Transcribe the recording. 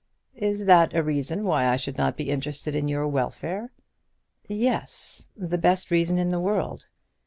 "Is that a reason why I should not be interested in your welfare?" "Yes; the best reason in the world.